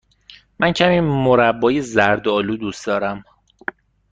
من کمی مربای زرد آلو دوست دارم.